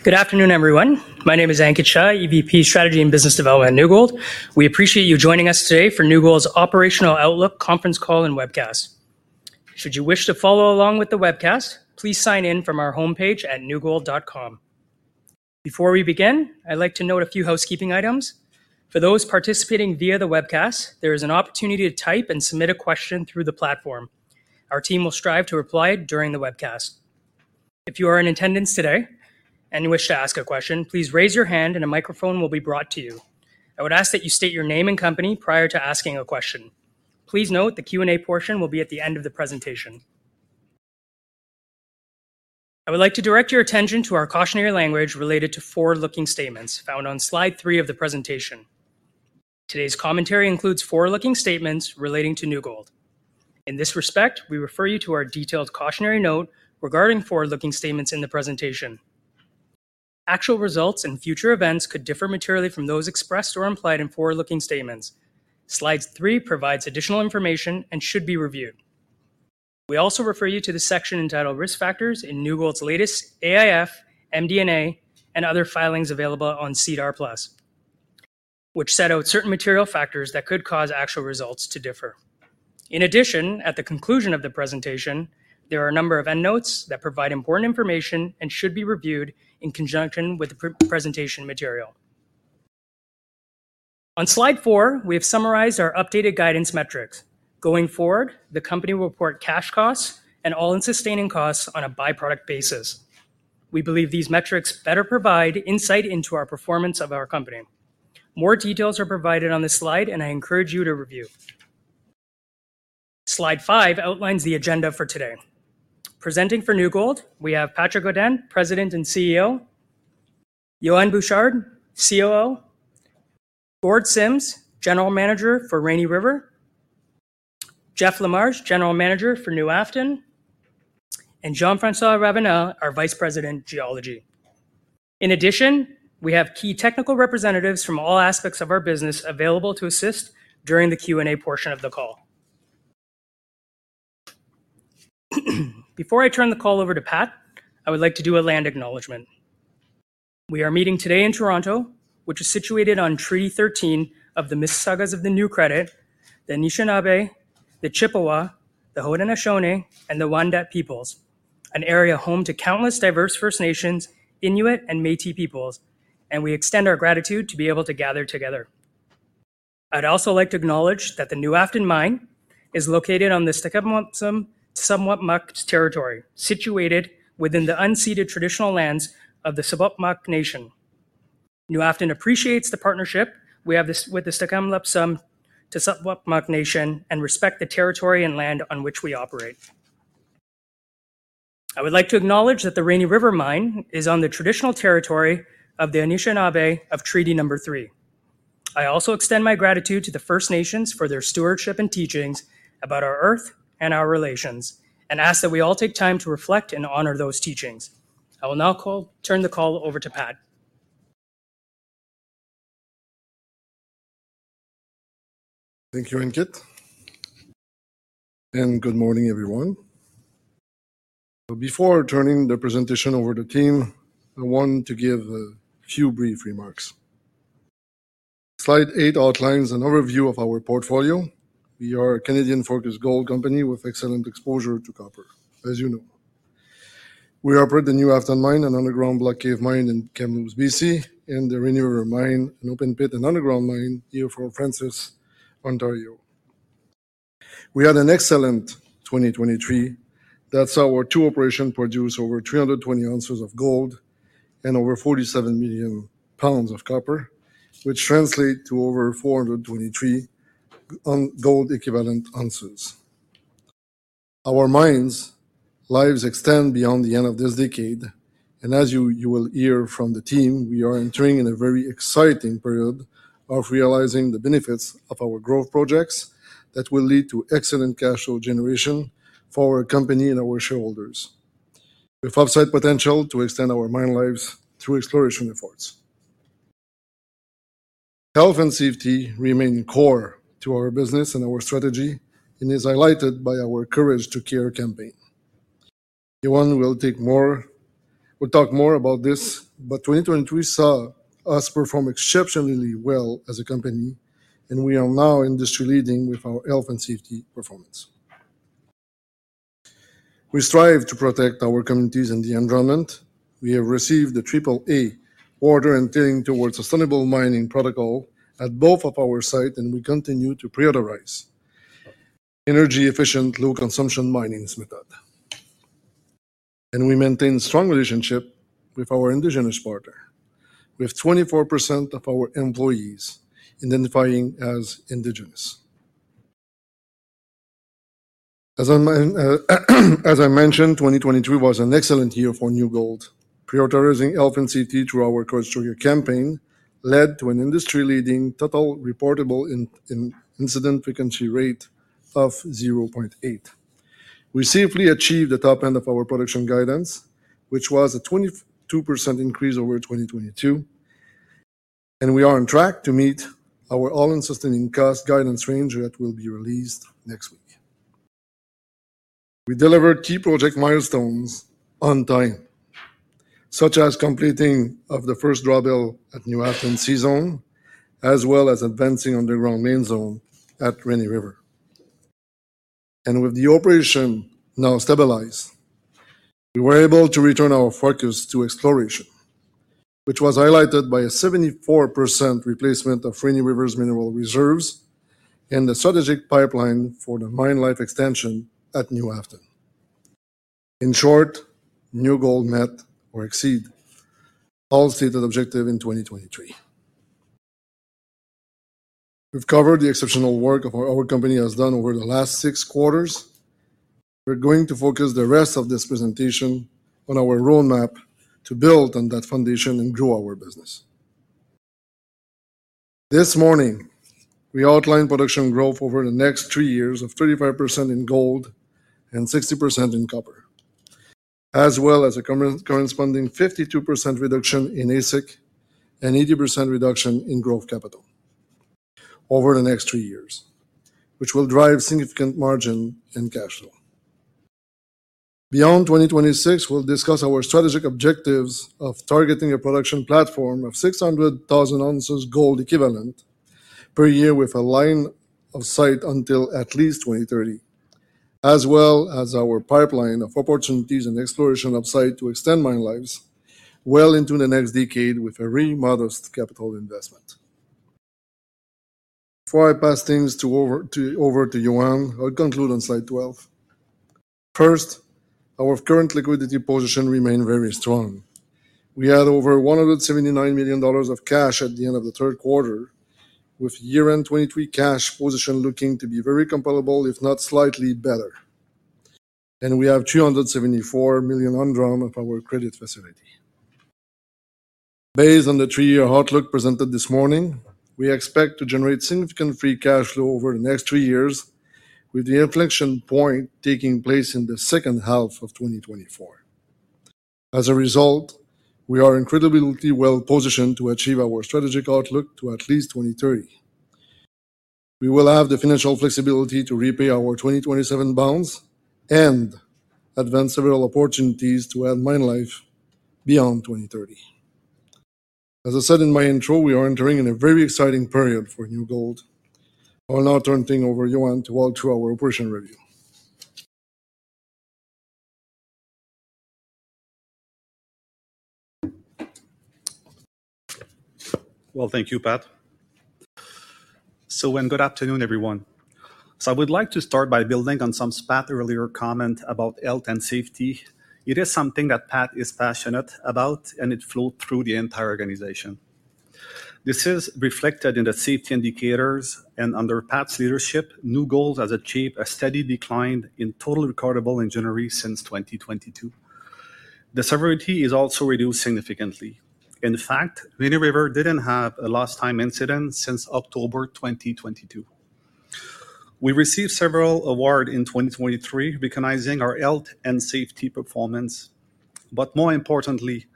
Good afternoon, everyone. My name is Ankit Shah, EVP, Strategy and Business Development at New Gold. We appreciate you joining us today for New Gold's Operational Outlook Conference Call and Webcast. Should you wish to follow along with the webcast, please sign in from our homepage at newgold.com. Before we begin, I'd like to note a few housekeeping items. For those participating via the webcast, there is an opportunity to type and submit a question through the platform. Our team will strive to reply during the webcast. If you are in attendance today and you wish to ask a question, please raise your hand and a microphone will be brought to you. I would ask that you state your name and company prior to asking a question. Please note the Q&A portion will be at the end of the presentation. I would like to direct your attention to our cautionary language related to forward-looking statements found on slide 3 of the presentation. Today's commentary includes forward-looking statements relating to New Gold. In this respect, we refer you to our detailed cautionary note regarding forward-looking statements in the presentation. Actual results and future events could differ materially from those expressed or implied in forward-looking statements. Slide three provides additional information and should be reviewed. We also refer you to the section entitled Risk Factors in New Gold's latest AIF, MD&A, and other filings available on SEDAR+, which set out certain material factors that could cause actual results to differ. In addition, at the conclusion of the presentation, there are a number of endnotes that provide important information and should be reviewed in conjunction with the presentation material. On slide 4, we have summarized our updated guidance metrics. Going forward, the company will report cash costs and all-in sustaining costs on a byproduct basis. We believe these metrics better provide insight into our performance of our company. More details are provided on this slide, and I encourage you to review. Slide five outlines the agenda for today. Presenting for New Gold, we have Patrick Godin, President and CEO; Yohann Bouchard, COO; Gord Simms, General Manager for Rainy River; Jeff LaMarsh, General Manager for New Afton, and Jean-François Ravenelle, our Vice President, Geology. In addition, we have key technical representatives from all aspects of our business available to assist during the Q&A portion of the call. Before I turn the call over to Pat, I would like to do a land acknowledgment. We are meeting today in Toronto, which is situated on Treaty 13 of the Mississaugas of the New Credit, the Anishinaabe, the Chippewa, the Haudenosaunee, and the Wendat peoples, an area home to countless diverse First Nations, Inuit, and Métis peoples, and we extend our gratitude to be able to gather together. I'd also like to acknowledge that the New Afton Mine is located on the Secwépemc territory, situated within the unceded traditional lands of the Secwépemc Nation. New Afton appreciates the partnership we have this with the Secwépemc Nation and respect the territory and land on which we operate. I would like to acknowledge that the Rainy River Mine is on the traditional territory of the Anishinaabe of Treaty Number 3. I also extend my gratitude to the First Nations for their stewardship and teachings about our earth and our relations, and ask that we all take time to reflect and honor those teachings. I will now turn the call over to Pat. Thank you, Ankit, and good morning, everyone. Before turning the presentation over to the team, I want to give a few brief remarks. Slide 8 outlines an overview of our portfolio. We are a Canadian-focused gold company with excellent exposure to copper, as you know. We operate the New Afton mine and underground block cave mine in Kamloops, British Columbia, and the Rainy River mine, an open pit and underground mine, near Fort Frances, Ontario. We had an excellent 2023. That's our two operation produce over 320 oz of gold and over 47 million lbs of copper, which translate to over 423,000 gold equivalent ounces. Our mines' lives extend beyond the end of this decade, and as you will hear from the team, we are entering in a very exciting period of realizing the benefits of our growth projects that will lead to excellent cash flow generation for our company and our shareholders, with upside potential to extend our mine lives through exploration efforts. Health and safety remain core to our business and our strategy and is highlighted by our Courage to Care campaign. Ankit will talk more about this, but 2023 saw us perform exceptionally well as a company, and we are now industry-leading with our health and safety performance. We strive to protect our communities and the environment. We have received the AAA rating under the Towards Sustainable Mining protocol at both of our sites, and we continue to prioritize energy-efficient, low-consumption mining method. We maintain strong relationship with our Indigenous partner, with 24% of our employees identifying as Indigenous. As I mentioned, 2023 was an excellent year for New Gold. Prioritizing health and safety through our Courage to Care campaign led to an industry-leading total recordable incident frequency rate of 0.8. We safely achieved the top end of our production guidance, which was a 22% increase over 2022, and we are on track to meet our all-in sustaining cost guidance range that will be released next week. We delivered key project milestones on time, such as completing of the first drawbell at New Afton C-Zone, as well as advancing underground Main Zone at Rainy River. With the operation now stabilized, we were able to return our focus to exploration, which was highlighted by a 74% replacement of Rainy River's mineral reserves and the strategic pipeline for the mine life extension at New Afton. In short, New Gold met or exceed all stated objective in 2023. We've covered the exceptional work of our company has done over the last 6 quarters. We're going to focus the rest of this presentation on our roadmap to build on that foundation and grow our business. This morning, we outlined production growth over the next 3 years of 35% in gold and 60% in copper, as well as a corresponding 52% reduction in AISC and 80% reduction in growth capital over the next 3 years, which will drive significant margin and cash flow. Beyond 2026, we'll discuss our strategic objectives of targeting a production platform of 600,000 oz gold equivalent per year with a line of sight until at least 2030, as well as our pipeline of opportunities and exploration upside to extend mine lives well into the next decade with a very modest capital investment. Before I pass things over to Yohann, I'll conclude on slide 12. First, our current liquidity position remain very strong. We had over $179 million of cash at the end of the third quarter, with year-end 2023 cash position looking to be very comparable, if not slightly better. And we have $274 million undrawn of our credit facility. Based on the three-year outlook presented this morning, we expect to generate significant free cash flow over the next three years, with the inflection point taking place in the second half of 2024. As a result, we are incredibly well positioned to achieve our strategic outlook to at least 2030. We will have the financial flexibility to repay our 2027 bonds and advance several opportunities to add mine life beyond 2030. As I said in my intro, we are entering in a very exciting period for New Gold. I will now turn it over to Yohann to walk through our operations review. Well, thank you, Pat. And good afternoon, everyone. I would like to start by building on some Pat's earlier comment about health and safety. It is something that Pat is passionate about, and it flowed through the entire organization. This is reflected in the safety indicators, and under Pat's leadership, New Gold has achieved a steady decline in total recordable injuries since 2022. The severity is also reduced significantly. In fact, Rainy River didn't have a lost-time incident since October 2022. We received several awards in 2023, recognizing our health and safety performance. But more importantly,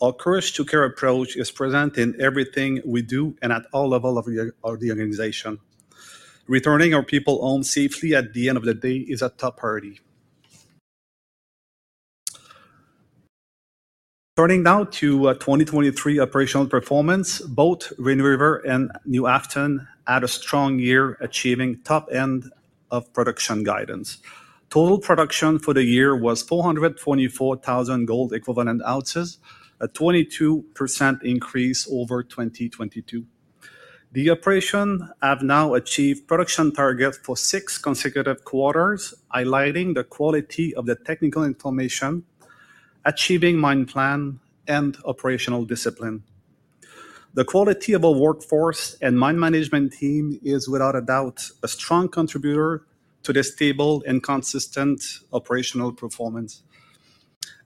our courage to care approach is present in everything we do and at all levels of the organization. Returning our people home safely at the end of the day is a top priority. Turning now to 2023 operational performance, both Rainy River and New Afton had a strong year, achieving top end of production guidance. Total production for the year was 444,000 gold equivalent ounces, a 22% increase over 2022. The operation have now achieved production targets for six consecutive quarters, highlighting the quality of the technical information, achieving mine plan and operational discipline. The quality of our workforce and mine management team is without a doubt, a strong contributor to this stable and consistent operational performance.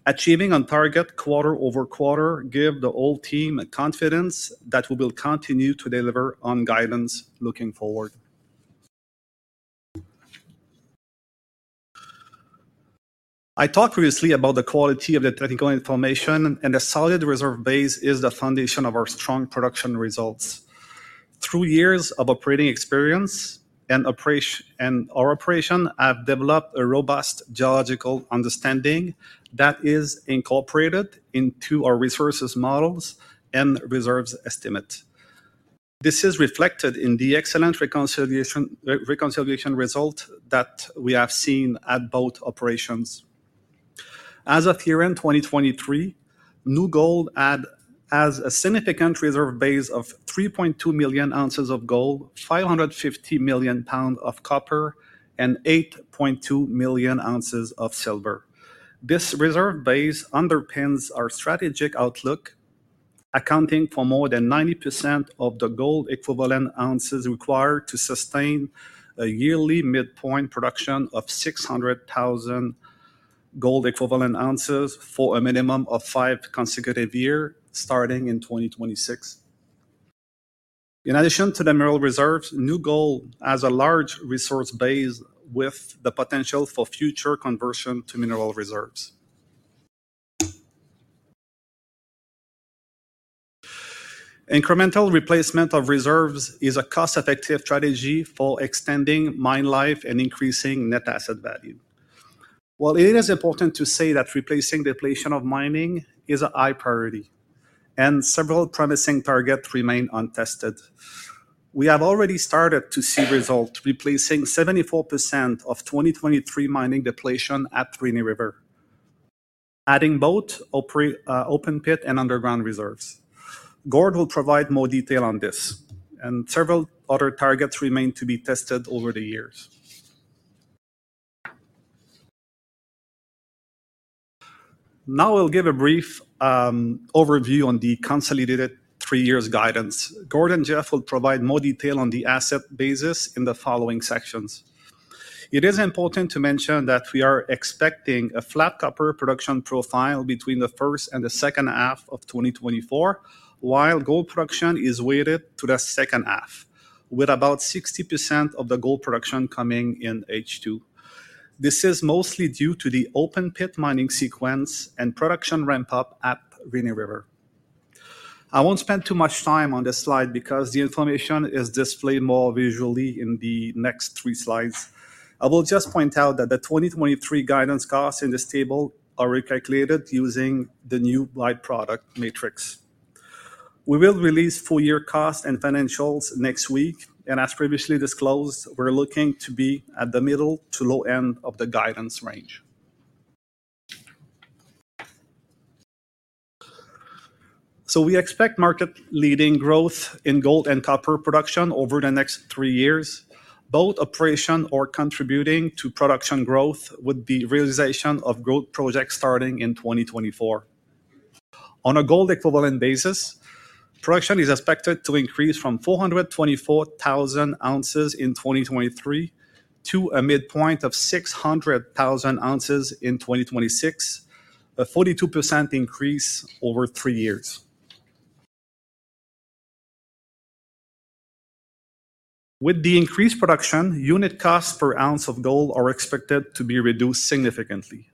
Achieving on target quarter-over-quarter give the whole team a confidence that we will continue to deliver on guidance looking forward. I talked previously about the quality of the technical information, and a solid reserve base is the foundation of our strong production results. Through years of operating experience and our operation, I've developed a robust geological understanding that is incorporated into our resources models and reserves estimate. This is reflected in the excellent reconciliation result that we have seen at both operations. As of year-end 2023, New Gold has a significant reserve base of 3.2 million oz of gold, 550 million lbs of copper, and 8.2 million oz of silver. This reserve base underpins our strategic outlook, accounting for more than 90% of the gold equivalent oz required to sustain a yearly midpoint production of 600,000 gold equivalent ounces for a minimum of five consecutive years, starting in 2026. In addition to the mineral reserves, New Gold has a large resource base with the potential for future conversion to mineral reserves.... Incremental replacement of reserves is a cost-effective strategy for extending mine life and increasing net asset value. While it is important to say that replacing depletion of mining is a high priority, and several promising targets remain untested. We have already started to see results, replacing 74% of 2023 mining depletion at Rainy River, adding both open pit and underground reserves. Gord will provide more detail on this, and several other targets remain to be tested over the years. Now I'll give a brief overview on the consolidated three years guidance. Gord and Jeff will provide more detail on the asset basis in the following sections. It is important to mention that we are expecting a flat copper production profile between the first and the second half of 2024, while gold production is weighted to the second half, with about 60% of the gold production coming in H2. This is mostly due to the open pit mining sequence and production ramp-up at Rainy River. I won't spend too much time on this slide because the information is displayed more visually in the next three slides. I will just point out that the 2023 guidance costs in this table are recalculated using the new by-product matrix. We will release full year costs and financials next week, and as previously disclosed, we're looking to be at the middle to low end of the guidance range. We expect market-leading growth in gold and copper production over the next three years. Both operations are contributing to production growth with the realization of growth projects starting in 2024. On a gold equivalent basis, production is expected to increase from 424,000 oz in 2023 to a midpoint of 600,000 oz in 2026, a 42% increase over three years. With the increased production, unit costs per ounce of gold are expected to be reduced significantly.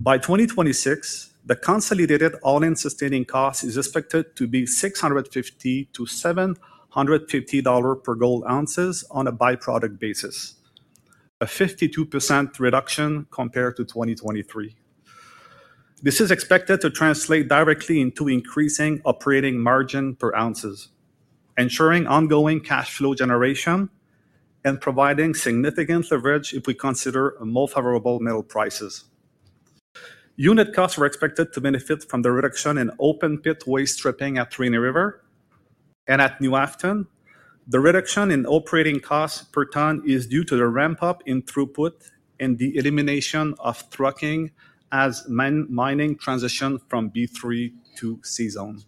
By 2026, the consolidated all-in sustaining cost is expected to be $650-$750 per gold ounce on a by-product basis, a 52% reduction compared to 2023. This is expected to translate directly into increasing operating margin per ounce, ensuring ongoing cash flow generation and providing significant leverage if we consider more favorable metal prices. Unit costs are expected to benefit from the reduction in open-pit waste stripping at Rainy River and at New Afton. The reduction in operating costs per ton is due to the ramp-up in throughput and the elimination of trucking as mining transition from B3 to C Zone.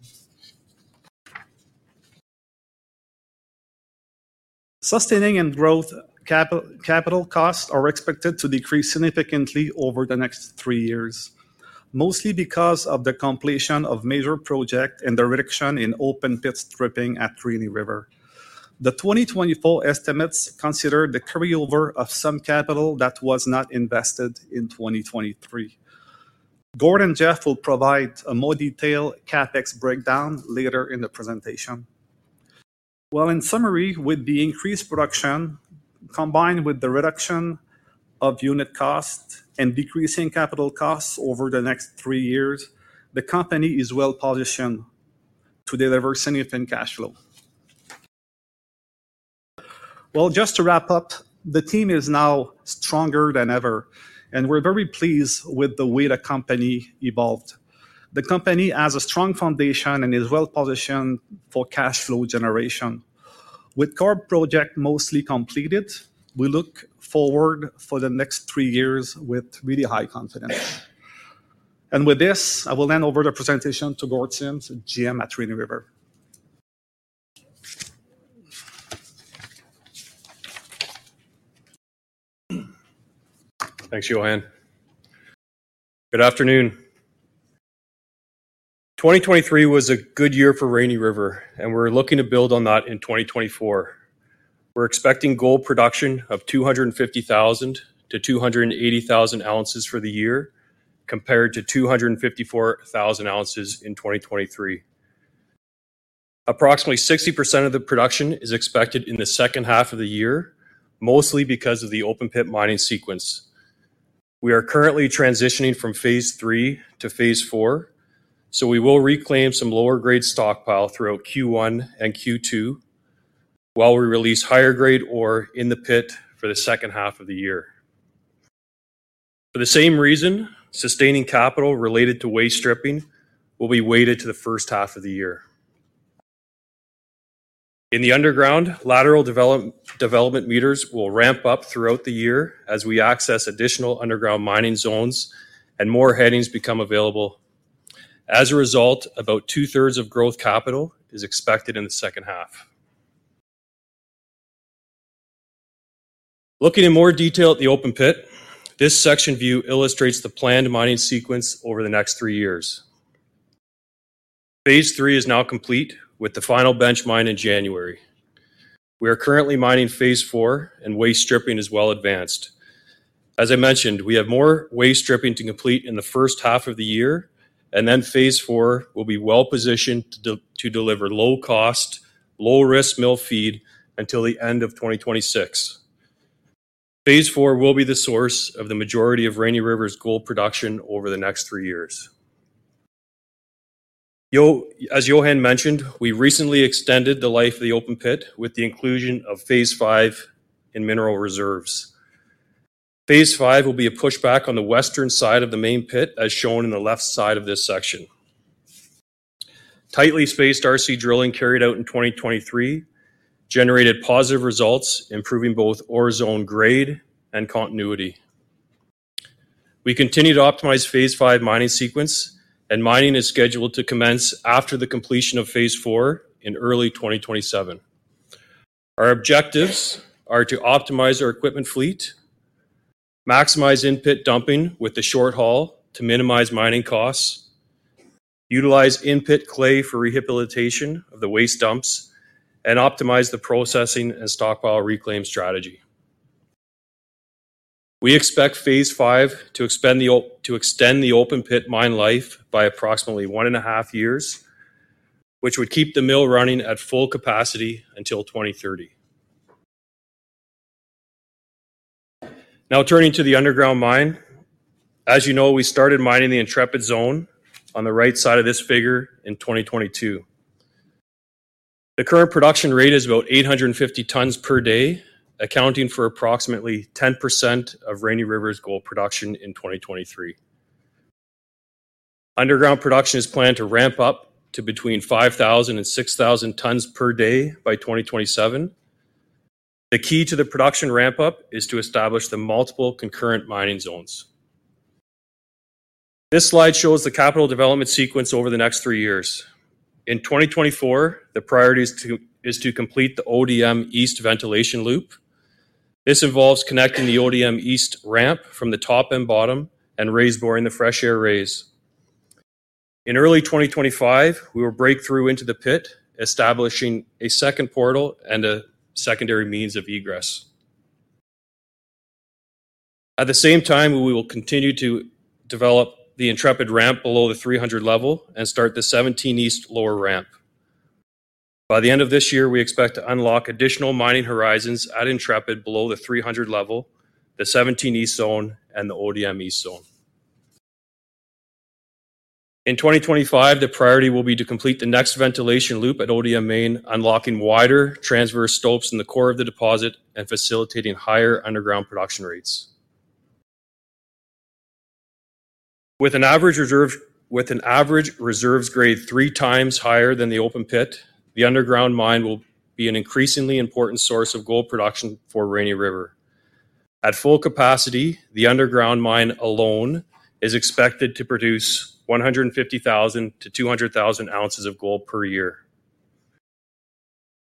Sustaining and growth capital costs are expected to decrease significantly over the next three years, mostly because of the completion of major project and the reduction in open-pit stripping at Rainy River. The 2024 estimates consider the carryover of some capital that was not invested in 2023. Gord and Jeff will provide a more detailed CapEx breakdown later in the presentation. Well, in summary, with the increased production, combined with the reduction of unit cost and decreasing capital costs over the next three years, the company is well positioned to deliver significant cash flow. Well, just to wrap up, the team is now stronger than ever, and we're very pleased with the way the company evolved. The company has a strong foundation and is well positioned for cash flow generation. With core project mostly completed, we look forward for the next three years with really high confidence. And with this, I will hand over the presentation to Gord Simms, GM at Rainy River. Thanks, Yohann. Good afternoon. 2023 was a good year for Rainy River, and we're looking to build on that in 2024. We're expecting gold production of 250,000-280,000 oz for the year, compared to 254,000 oz in 2023. Approximately 60% of the production is expected in the second half of the year, mostly because of the open-pit mining sequence. We are currently transitioning from phase III to phase IV, so we will reclaim some lower-grade stockpile throughout Q1 and Q2, while we release higher-grade ore in the pit for the second half of the year. For the same reason, sustaining capital related to waste stripping will be weighted to the first half of the year. In the underground, lateral development meters will ramp up throughout the year as we access additional underground mining zones and more headings become available. As a result, about two-thirds of growth capital is expected in the second half. Looking in more detail at the open pit, this section view illustrates the planned mining sequence over the next 3 years. Phase III is now complete, with the final bench mine in January. We are currently mining phase IV, and waste stripping is well advanced. As I mentioned, we have more waste stripping to complete in the first half of the year, and then phase IV will be well-positioned to deliver low cost, low risk mill feed until the end of 2026. Phase IV will be the source of the majority of Rainy River's gold production over the next 3 years. As Yohann mentioned, we recently extended the life of the open pit with the inclusion of phase V in mineral reserves. Phase V will be a pushback on the western side of the main pit, as shown in the left side of this section. Tightly spaced RC drilling carried out in 2023 generated positive results, improving both ore zone grade and continuity. We continue to optimize phase V mining sequence, and mining is scheduled to commence after the completion of phase IV in early 2027. Our objectives are to optimize our equipment fleet, maximize in-pit dumping with the short haul to minimize mining costs, utilize in-pit clay for rehabilitation of the waste dumps, and optimize the processing and stockpile reclaim strategy. We expect phase V to extend the open pit mine life by approximately 1.5 years, which would keep the mill running at full capacity until 2030. Now, turning to the underground mine. As you know, we started mining the Intrepid Zone on the right side of this figure in 2022. The current production rate is about 850 tons per day, accounting for approximately 10% of Rainy River's gold production in 2023. Underground production is planned to ramp up to between 5,000 and 6,000 tons per day by 2027. The key to the production ramp-up is to establish the multiple concurrent mining zones. This slide shows the capital development sequence over the next 3 years. In 2024, the priority is to complete the ODM East ventilation loop. This involves connecting the ODM East ramp from the top and bottom and raise boring the fresh air raise. In early 2025, we will break through into the pit, establishing a second portal and a secondary means of egress. At the same time, we will continue to develop the Intrepid ramp below the 300 level and start the Seventeen East lower ramp. By the end of this year, we expect to unlock additional mining horizons at Intrepid below the 300 level, the Seventeen East Zone, and the ODM East Zone. In 2025, the priority will be to complete the next ventilation loop at ODM Main, unlocking wider transverse stopes in the core of the deposit and facilitating higher underground production rates. With an average reserves grade three times higher than the open pit, the underground mine will be an increasingly important source of gold production for Rainy River. At full capacity, the underground mine alone is expected to produce 150,000 to 200,000 oz of gold per year.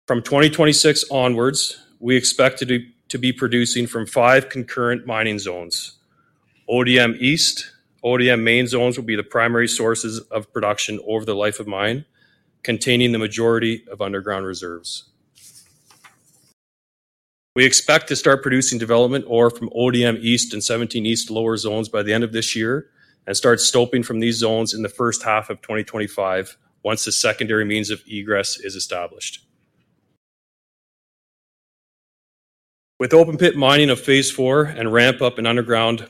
From 2026 onwards, we expect to be producing from 5 concurrent mining zones. ODM East, ODM Main zones will be the primary sources of production over the life of mine, containing the majority of underground reserves. We expect to start producing development ore from ODM East and Seventeen East lower zones by the end of this year, and start stoping from these zones in the first half of 2025, once the secondary means of egress is established. With open pit mining of phase IV and ramp up in underground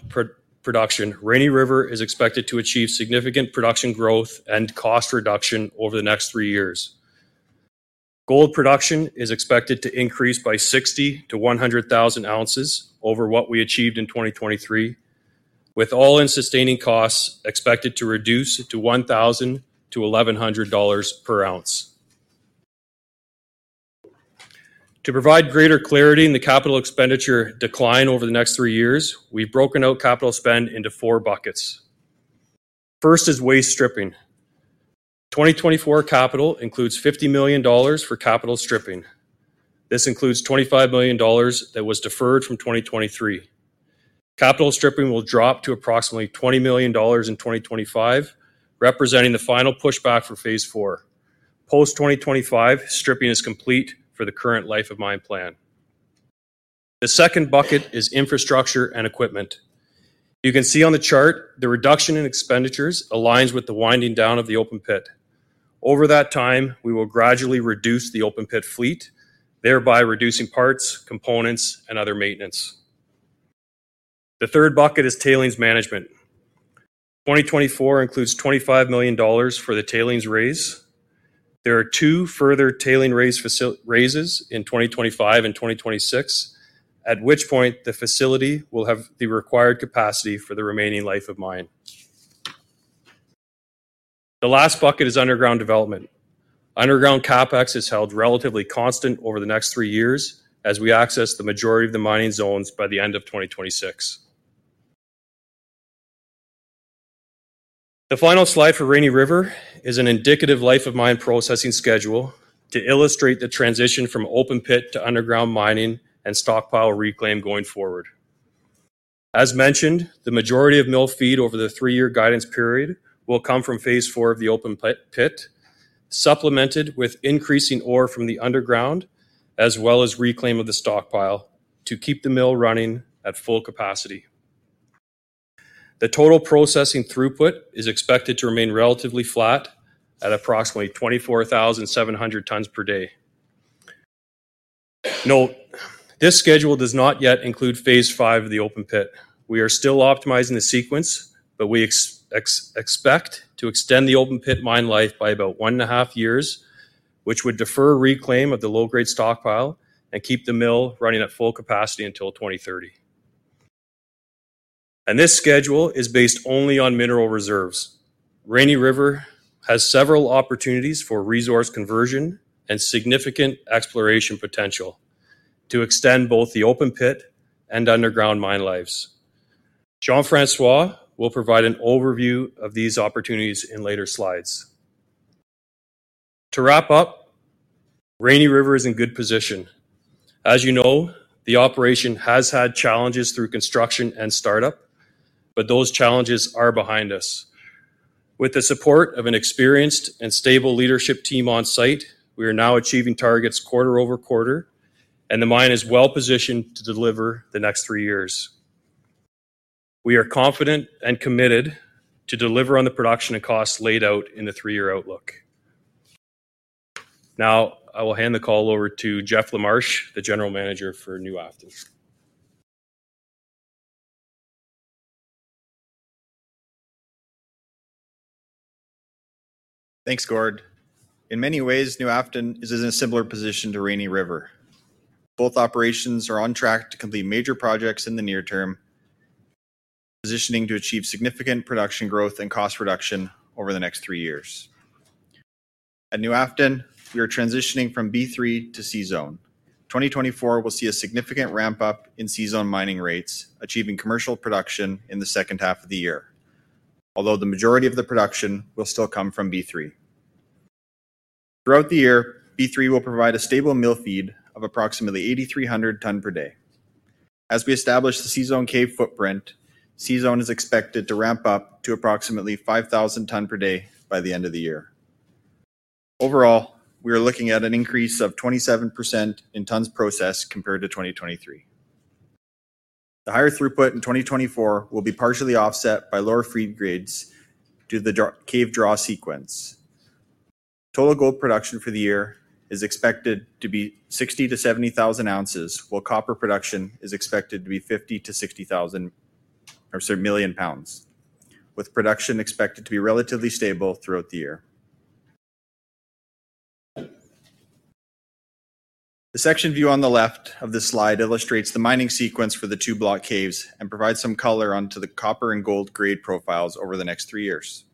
production, Rainy River is expected to achieve significant production growth and cost reduction over the next three years. Gold production is expected to increase by 60-100,000 oz over what we achieved in 2023, with all-in sustaining costs expected to reduce to $1,000-$1,100 per ounce. To provide greater clarity in the capital expenditure decline over the next three years, we've broken out capital spend into four buckets. First is waste stripping. 2024 capital includes $50 million for capital stripping. This includes $25 million that was deferred from 2023. Capital stripping will drop to approximately $20 million in 2025, representing the final pushback for phase IV. Post-2025, stripping is complete for the current life of mine plan. The second bucket is infrastructure and equipment. You can see on the chart, the reduction in expenditures aligns with the winding down of the open pit. Over that time, we will gradually reduce the open pit fleet, thereby reducing parts, components, and other maintenance. The third bucket is tailings management. 2024 includes $25 million for the tailings raise. There are two further tailings raises in 2025 and 2026, at which point the facility will have the required capacity for the remaining life of mine. The last bucket is underground development. Underground CapEx is held relatively constant over the next three years, as we access the majority of the mining zones by the end of 2026. The final slide for Rainy River is an indicative life of mine processing schedule to illustrate the transition from open pit to underground mining and stockpile reclaim going forward. As mentioned, the majority of mill feed over the three-year guidance period will come from phase IV of the open pit, supplemented with increasing ore from the underground, as well as reclaim of the stockpile to keep the mill running at full capacity. The total processing throughput is expected to remain relatively flat at approximately 24,700 tons per day. Note, this schedule does not yet include phase V of the open pit. We are still optimizing the sequence, but we expect to extend the open pit mine life by about one and a half years, which would defer reclaim of the low-grade stockpile and keep the mill running at full capacity until 2030. This schedule is based only on mineral reserves. Rainy River has several opportunities for resource conversion and significant exploration potential to extend both the open pit and underground mine lives. Jean-François will provide an overview of these opportunities in later slides. To wrap up, Rainy River is in good position. As you know, the operation has had challenges through construction and startup, but those challenges are behind us. With the support of an experienced and stable leadership team on site, we are now achieving targets quarter-over-quarter, and the mine is well positioned to deliver the next three years. We are confident and committed to deliver on the production and costs laid out in the three-year outlook. Now, I will hand the call over to Jeff Lamarche, the General Manager for New Afton. Thanks, Gord. In many ways, New Afton is in a similar position to Rainy River. Both operations are on track to complete major projects in the near term, positioning to achieve significant production growth and cost reduction over the next three years. At New Afton, we are transitioning from B3 to C-Zone. 2024 will see a significant ramp-up in C-Zone mining rates, achieving commercial production in the second half of the year, although the majority of the production will still come from B3. Throughout the year, B3 will provide a stable mill feed of approximately 8,300 ton per day. As we establish the C-Zone cave footprint, C-Zone is expected to ramp up to approximately 5,000 ton per day by the end of the year. Overall, we are looking at an increase of 27% in tons processed compared to 2023. The higher throughput in 2024 will be partially offset by lower feed grades due to the draw cave draw sequence. Total gold production for the year is expected to be 60,000-70,000 oz, while copper production is expected to be 50-60 million lbs, with production expected to be relatively stable throughout the year. The section view on the left of this slide illustrates the mining sequence for the two block caves and provides some color onto the copper and gold grade profiles over the next three years.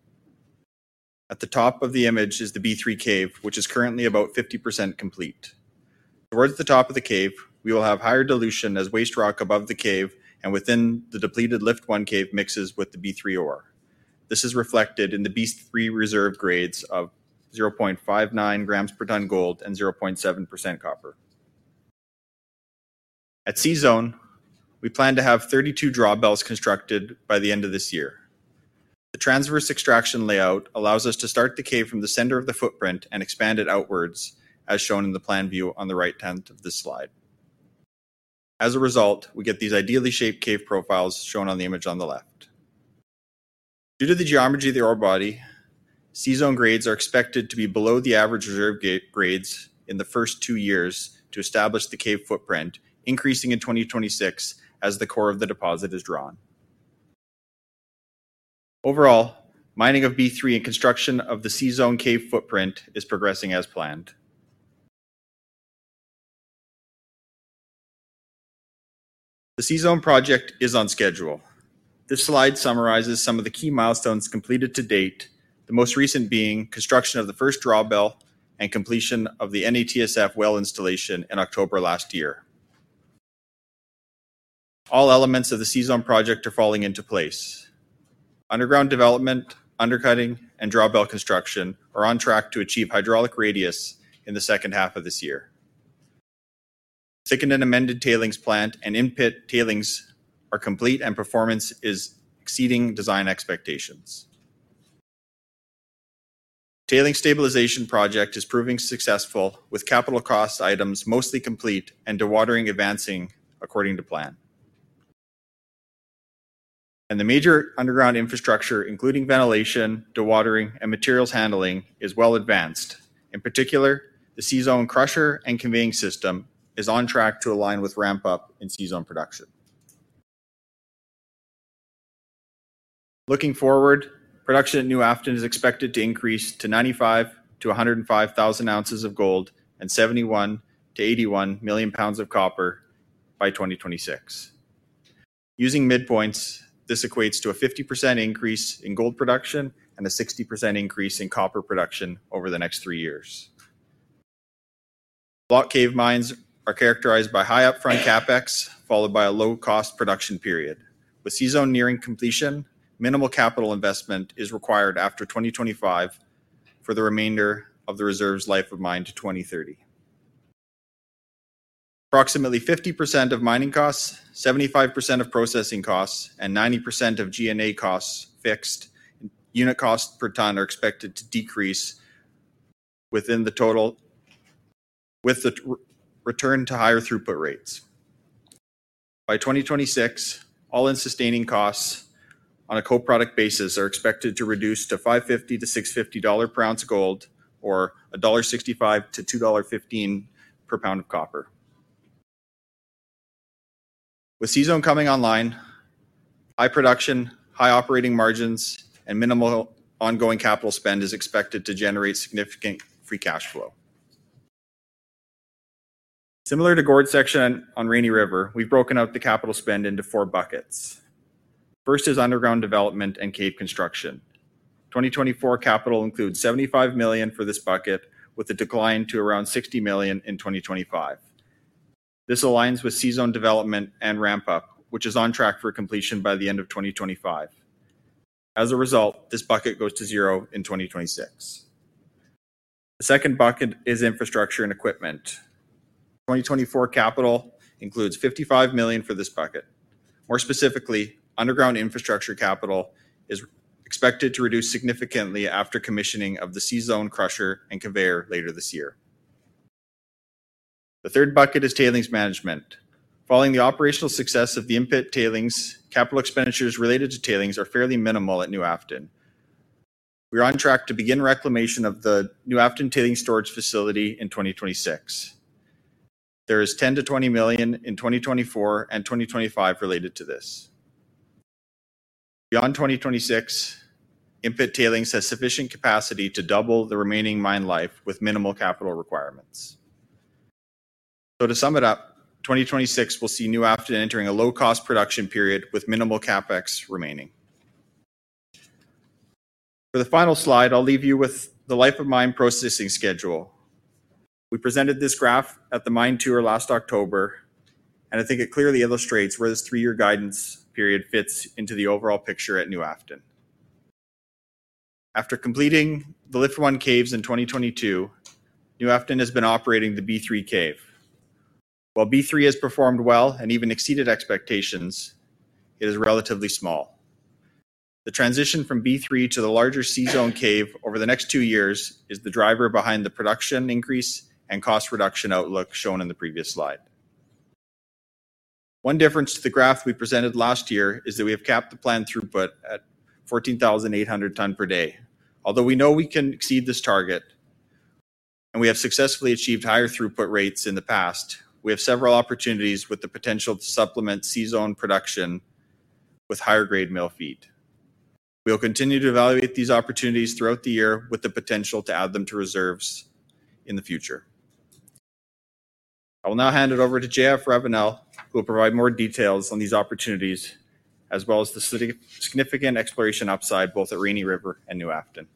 At the top of the image is the B3 Cave, which is currently about 50% complete. Towards the top of the cave, we will have higher dilution as waste rock above the cave and within the depleted Lift 1 cave mixes with the B3 ore. This is reflected in the B3 reserve grades of 0.59 grams per ton gold and 0.7% copper. At C-Zone, we plan to have 32 drawbells constructed by the end of this year. The transverse extraction layout allows us to start the cave from the center of the footprint and expand it outwards, as shown in the plan view on the right hand of this slide. As a result, we get these ideally shaped cave profiles shown on the image on the left. Due to the geometry of the ore body, C-Zone grades are expected to be below the average reserve grades in the first two years to establish the cave footprint, increasing in 2026 as the core of the deposit is drawn. Overall, mining of B3 and construction of the C-Zone cave footprint is progressing as planned. The C-Zone project is on schedule. This slide summarizes some of the key milestones completed to date, the most recent being construction of the first drawbell and completion of the NATSF well installation in October last year. All elements of the C-Zone project are falling into place. Underground development, undercutting, and drawbell construction are on track to achieve hydraulic radius in the second half of this year. Thickened and amended tailings plant and in-pit tailings are complete, and performance is exceeding design expectations. Tailings Stabilization project is proving successful, with capital cost items mostly complete and dewatering advancing according to plan. The major underground infrastructure, including ventilation, dewatering, and materials handling, is well advanced. In particular, the C-Zone crusher and conveying system is on track to align with ramp-up in C-Zone production. Looking forward, production at New Afton is expected to increase to 95,000-105,000 oz of gold and 71-81 million lbs of copper by 2026. Using midpoints, this equates to a 50% increase in gold production and a 60% increase in copper production over the next three years. Block cave mines are characterized by high upfront CapEx, followed by a low-cost production period. With C-Zone nearing completion, minimal capital investment is required after 2025 for the remainder of the reserve's life of mine to 2030, approximately 50% of mining costs, 75% of processing costs, and 90% of G&A costs fixed. Unit costs per ton are expected to decrease within the total, with the return to higher throughput rates. By 2026, all-in sustaining costs on a co-product basis are expected to reduce to $550-$650 per ounce gold or $1.65-$2.15 per lb of copper. With C-Zone coming online, high production, high operating margins, and minimal ongoing capital spend is expected to generate significant free cash flow. Similar to Gold Section on Rainy River, we've broken out the capital spend into four buckets. First is underground development and cave construction. 2024 capital includes $75 million for this bucket, with a decline to around $60 million in 2025. This aligns with C-Zone development and ramp-up, which is on track for completion by the end of 2025. As a result, this bucket goes to 0 in 2026. The second bucket is infrastructure and equipment. 2024 capital includes $55 million for this bucket. More specifically, underground infrastructure capital is expected to reduce significantly after commissioning of the C-Zone crusher and conveyor later this year. The third bucket is tailings management. Following the operational success of the in-pit tailings, capital expenditures related to tailings are fairly minimal at New Afton. We're on track to begin reclamation of the New Afton tailings storage facility in 2026. There is $10 million-$20 million in 2024 and 2025 related to this. Beyond 2026, in-pit tailings has sufficient capacity to double the remaining mine life with minimal capital requirements. So to sum it up, 2026 will see New Afton entering a low-cost production period with minimal CapEx remaining. For the final slide, I'll leave you with the life of mine processing schedule. We presented this graph at the mine tour last October, and I think it clearly illustrates where this three-year guidance period fits into the overall picture at New Afton. After completing the Lift 1 caves in 2022, New Afton has been operating the B3 cave. While B3 has performed well and even exceeded expectations, it is relatively small. The transition from B3 to the larger C-Zone cave over the next two years is the driver behind the production increase and cost reduction outlook shown in the previous slide. One difference to the graph we presented last year is that we have capped the planned throughput at 14,800 tons per day. Although we know we can exceed this target, and we have successfully achieved higher throughput rates in the past, we have several opportunities with the potential to supplement C-Zone production with higher grade mill feed. We'll continue to evaluate these opportunities throughout the year with the potential to add them to reserves in the future. I will now hand it over to Jean-François Ravenelle, who will provide more details on these opportunities, as well as the significant exploration upside, both at Rainy River and New Afton.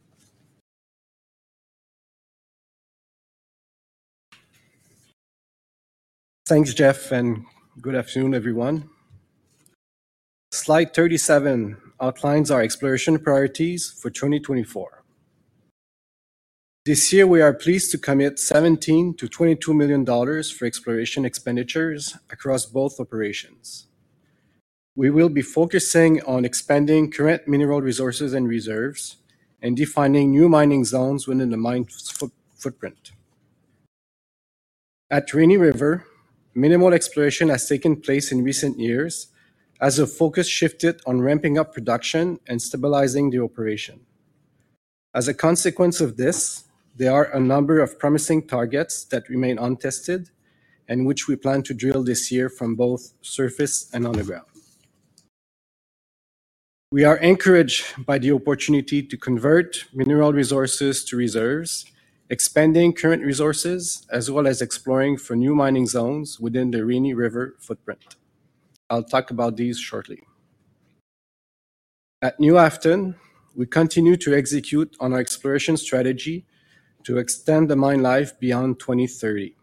Thanks, Jeff, and good afternoon, everyone. Slide 37 outlines our exploration priorities for 2024. This year, we are pleased to commit $17 million-$22 million for exploration expenditures across both operations. We will be focusing on expanding current mineral resources and reserves and defining new mining zones within the mine footprint. At Rainy River, minimal exploration has taken place in recent years as the focus shifted on ramping up production and stabilizing the operation. As a consequence of this, there are a number of promising targets that remain untested and which we plan to drill this year from both surface and underground. We are encouraged by the opportunity to convert mineral resources to reserves, expanding current resources, as well as exploring for new mining zones within the Rainy River footprint. I'll talk about these shortly. At New Afton, we continue to execute on our exploration strategy to extend the mine life beyond 2030.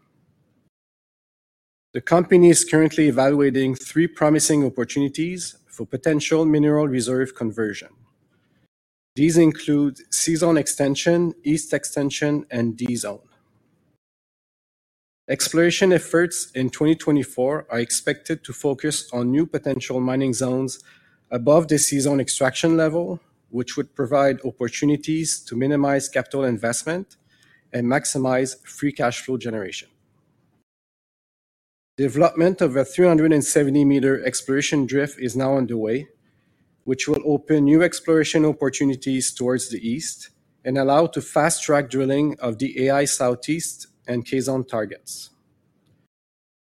The company is currently evaluating 3 promising opportunities for potential mineral reserve conversion. These include C-Zone Extension, East Extension, and D-Zone. Exploration efforts in 2024 are expected to focus on new potential mining zones above the C-Zone extraction level, which would provide opportunities to minimize capital investment and maximize free cash flow generation. Development of a 370-meter exploration drift is now underway, which will open new exploration opportunities towards the east and allow to fast-track drilling of the A1 Southeast and K-Zone targets.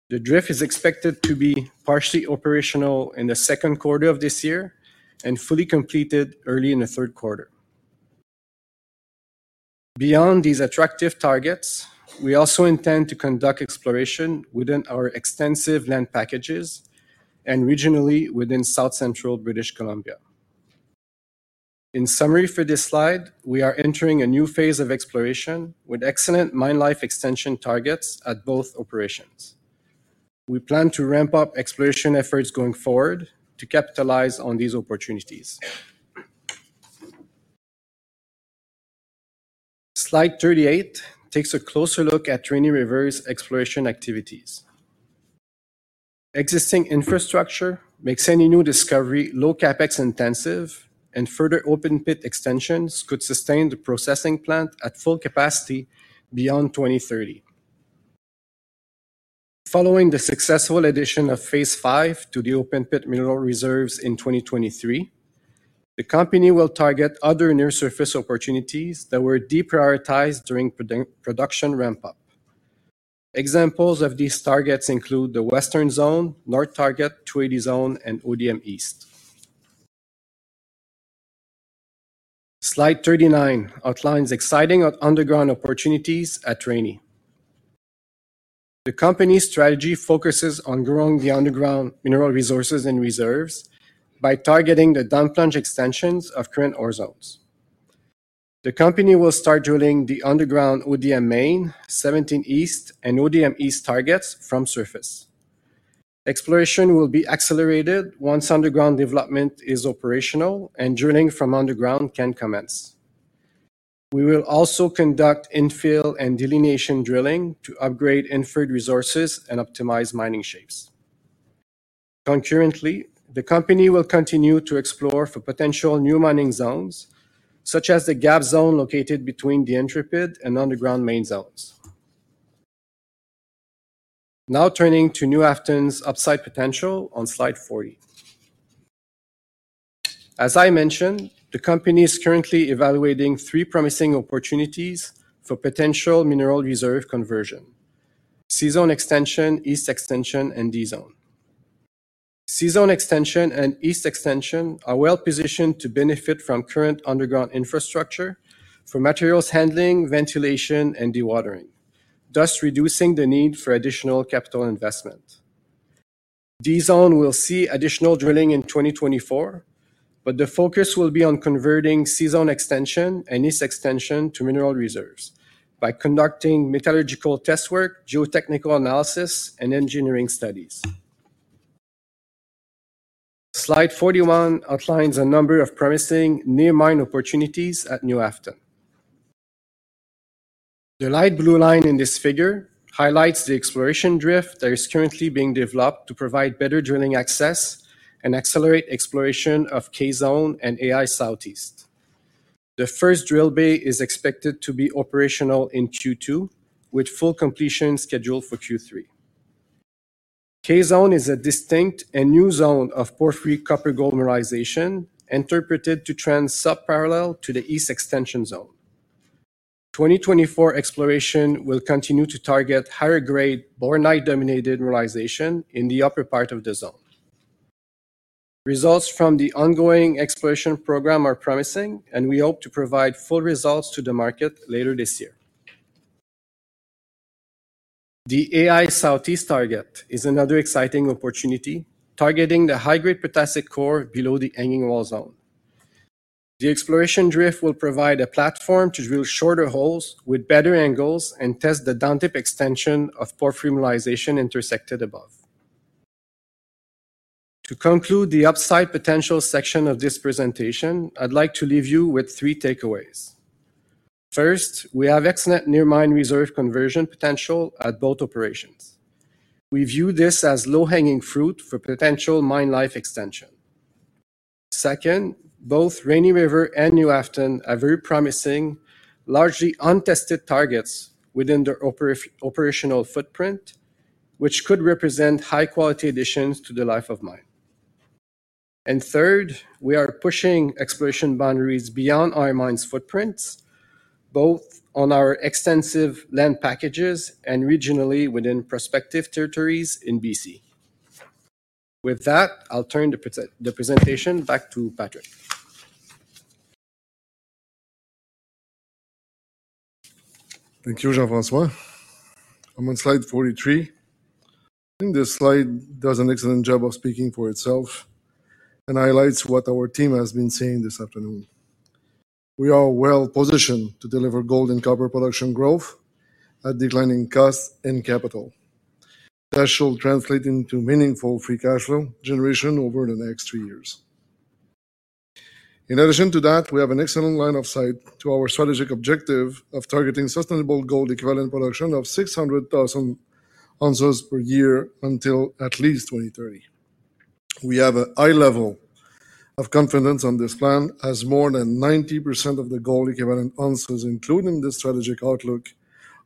The drift is expected to be partially operational in the second quarter of this year and fully completed early in the third quarter. Beyond these attractive targets, we also intend to conduct exploration within our extensive land packages and regionally within South Central British Columbia. In summary for this slide, we are entering a new phase of exploration with excellent mine life extension targets at both operations. We plan to ramp up exploration efforts going forward to capitalize on these opportunities. Slide 38 takes a closer look at Rainy River's exploration activities. Existing infrastructure makes any new discovery low CapEx intensive, and further open pit extensions could sustain the processing plant at full capacity beyond 2030. Following the successful addition of phase V to the open pit mineral reserves in 2023, the company will target other near-surface opportunities that were deprioritized during production ramp-up. Examples of these targets include the Western Zone, North Target, 280 Zone, and ODM East. Slide 39 outlines exciting underground opportunities at Rainy. The company's strategy focuses on growing the underground mineral resources and reserves by targeting the down plunge extensions of current ore zones. The company will start drilling the underground ODM Main, Seventeen East, and ODM East targets from surface. Exploration will be accelerated once underground development is operational and drilling from underground can commence. We will also conduct infill and delineation drilling to upgrade inferred resources and optimize mining shapes. Concurrently, the company will continue to explore for potential new mining zones, such as the Gap Zone located between the Intrepid and underground main zones. Now turning to New Afton's upside potential on slide 40. As I mentioned, the company is currently evaluating three promising opportunities for potential mineral reserve conversion: C-Zone Extension, East Extension, and D-Zone. C-Zone Extension and East Extension are well-positioned to benefit from current underground infrastructure for materials handling, ventilation, and dewatering, thus reducing the need for additional capital investment. D-Zone will see additional drilling in 2024, but the focus will be on converting C-Zone Extension and East Extension to mineral reserves by conducting metallurgical test work, geotechnical analysis, and engineering studies. Slide 41 outlines a number of promising near-mine opportunities at New Afton. The light blue line in this figure highlights the exploration drift that is currently being developed to provide better drilling access and accelerate exploration of K Zone and A1 Southeast. The first drill bay is expected to be operational in Q2, with full completion scheduled for Q3. K Zone is a distinct and new zone of porphyry copper-gold mineralization, interpreted to trend sub-parallel to the East Extension zone. 2024 exploration will continue to target higher-grade bornite-dominated mineralization in the upper part of the zone. Results from the ongoing exploration program are promising, and we hope to provide full results to the market later this year. The A1 Southeast target is another exciting opportunity, targeting the high-grade potassic core below the hanging wall zone. The exploration drift will provide a platform to drill shorter holes with better angles and test the down-tip extension of porphyry mineralization intersected above. To conclude the upside potential section of this presentation, I'd like to leave you with three takeaways. First, we have excellent near mine reserve conversion potential at both operations. We view this as low-hanging fruit for potential mine life extension. Second, both Rainy River and New Afton are very promising, largely untested targets within their operational footprint, which could represent high-quality additions to the life of mine. And third, we are pushing exploration boundaries beyond our mine's footprints, both on our extensive land packages and regionally within prospective territories in BC. With that, I'll turn the presentation back to Patrick. Thank you, Jean-François. I'm on slide 43. I think this slide does an excellent job of speaking for itself and highlights what our team has been saying this afternoon. We are well positioned to deliver gold and copper production growth at declining costs and capital. That should translate into meaningful free cash flow generation over the next three years. In addition to that, we have an excellent line of sight to our strategic objective of targeting sustainable gold equivalent production of 600,000 oz per year until at least 2030. We have a high level of confidence on this plan, as more than 90% of the gold equivalent ounces, including the strategic outlook,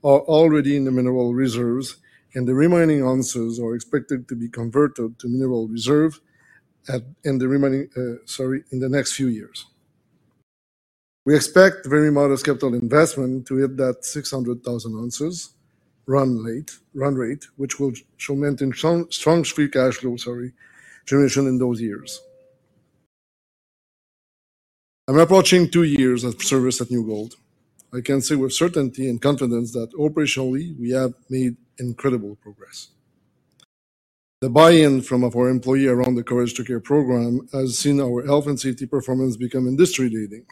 are already in the mineral reserves, and the remaining ounces are expected to be converted to mineral reserve in the next few years. We expect very modest capital investment to hit that 600,000 oz run rate, run rate, which will show maintain strong, strong free cash flow, sorry, generation in those years. I'm approaching two years of service at New Gold. I can say with certainty and confidence that operationally, we have made incredible progress. The buy-in from of our employee around the Courage to Care program has seen our health and safety performance become industry-leading.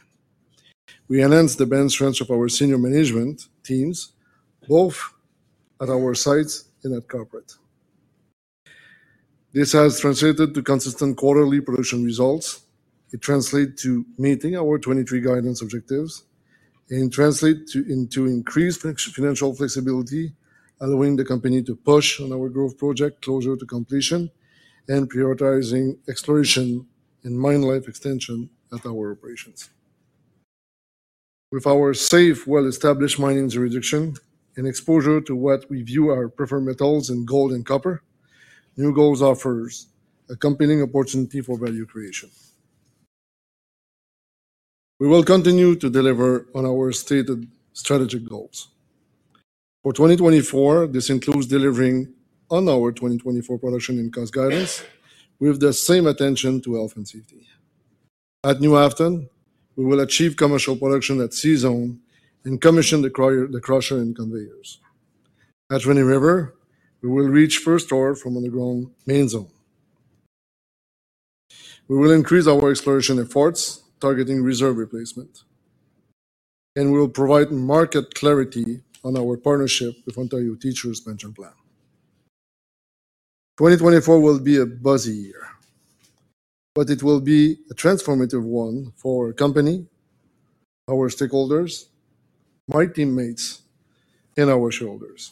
We enhanced the bench strength of our senior management teams, both at our sites and at corporate. This has translated to consistent quarterly production results. It translate to meeting our 2023 guidance objectives and translate to, into increased financial flexibility, allowing the company to push on our growth project closer to completion and prioritizing exploration and mine life extension at our operations. With our safe, well-established mining jurisdiction and exposure to what we view our preferred metals in gold and copper, New Gold offers a compelling opportunity for value creation. We will continue to deliver on our stated strategic goals. For 2024, this includes delivering on our 2024 production and cost guidance, with the same attention to health and safety. At New Afton, we will achieve commercial production at C-Zone and commission the crusher, the crusher and conveyors. At Rainy River, we will reach first ore from underground Main Zone. We will increase our exploration efforts, targeting reserve replacement, and we will provide market clarity on our partnership with Ontario Teachers Pension Plan. 2024 will be a busy year, but it will be a transformative one for our company, our stakeholders, my teammates, and our shareholders.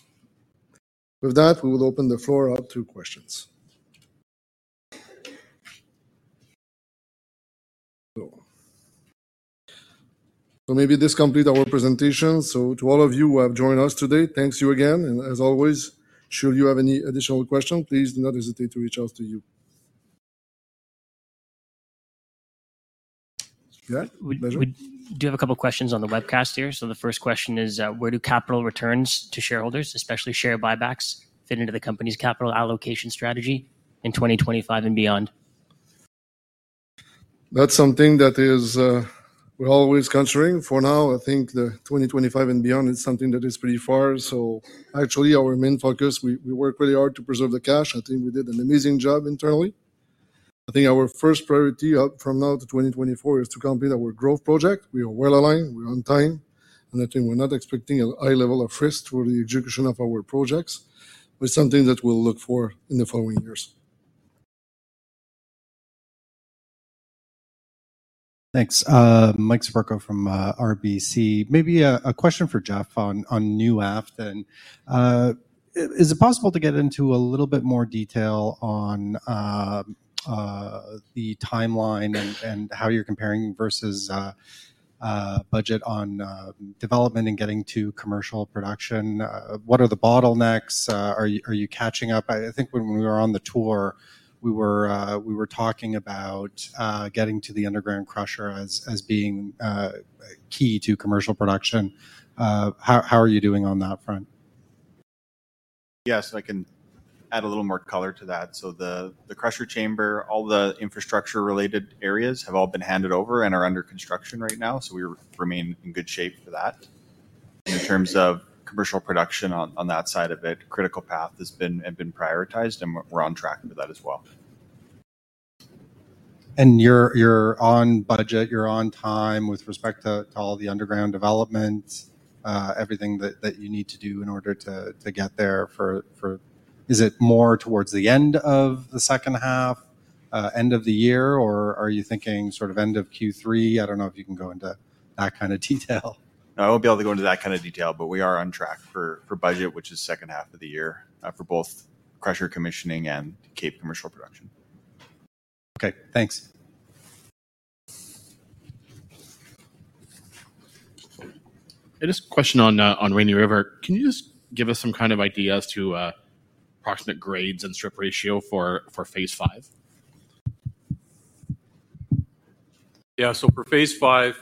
With that, we will open the floor up to questions. So, maybe this completes our presentation. So, to all of you who have joined us today, thank you again, and as always, should you have any additional questions, please do not hesitate to reach out to us. Yeah, measure? We do have a couple questions on the webcast here. So the first question is, where do capital returns to shareholders, especially share buybacks, fit into the company's capital allocation strategy in 2025 and beyond? That's something that is, we're always considering. For now, I think the 2025 and beyond is something that is pretty far. So actually, our main focus, we, we work really hard to preserve the cash. I think we did an amazing job internally. I think our first priority out from now to 2024 is to complete our growth project. We are well aligned, we're on time, and I think we're not expecting a high level of risk for the execution of our projects, but something that we'll look for in the following years. Thanks. Mike Siperco from RBC. Maybe a question for Jeff on New Afton. Is it possible to get into a little bit more detail on the timeline and how you're comparing versus budget on development and getting to commercial production? What are the bottlenecks? Are you catching up? I think when we were on the tour, we were talking about getting to the underground crusher as being key to commercial production. How are you doing on that front? Yes, I can add a little more color to that. So the crusher chamber, all the infrastructure-related areas have all been handed over and are under construction right now, so we remain in good shape for that. In terms of commercial production, on that side of it, critical path have been prioritized, and we're on track with that as well. You're on budget, you're on time with respect to all the underground development, everything that you need to do in order to get there for... Is it more towards the end of the second half, end of the year, or are you thinking sort of end of Q3? I don't know if you can go into that kind of detail. No, I won't be able to go into that kind of detail, but we are on track for budget, which is second half of the year, for both crusher commissioning and C-Zone commercial production. Okay, thanks. Hey, just a question on Rainy River. Can you just give us some kind of idea as to approximate grades and strip ratio for phase V? Yeah. So for phase V,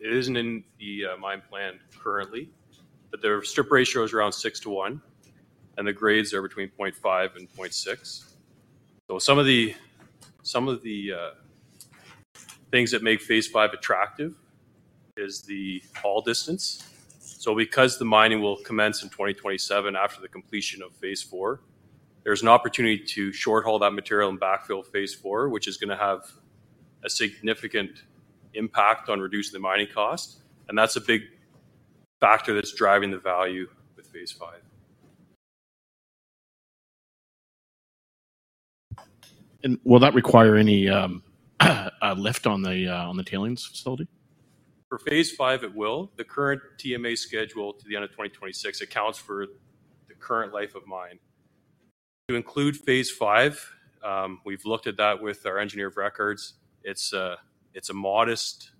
it isn't in the mine plan currently, but their strip ratio is around 6-to-1, and the grades are between 0.5 and 0.6. So some of the things that make phase V attractive is the haul distance. So because the mining will commence in 2027 after the completion of phase IV, there's an opportunity to short haul that material and backfill phase IV, which is gonna have a significant impact on reducing the mining cost, and that's a big factor that's driving the value with phase V. Will that require any lift on the tailings facility? For phase V, it will. The current TMA schedule to the end of 2026 accounts for the current life of mine. To include phase V, we've looked at that with our engineer of records. It's a modest